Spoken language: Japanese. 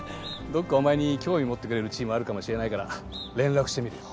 どっかお前に興味持ってくれるチームあるかもしれないから連絡してみるよ